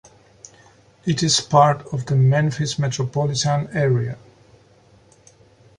It is part of the Memphis metropolitan area.